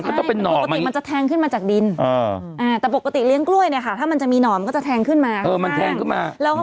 หน่อนี่มันคือเป็นก้นกล้วยไม่ใช่เหรอ